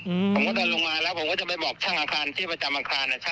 อืมผมก็เดินลงมาแล้วผมก็จะไปบอกช่างอังคารที่ประจำอังคารนะครับ